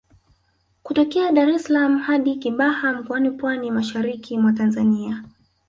Kutokea Dar es salaam hadi Kibaha Mkoani Pwani mashariki mwa Tanzania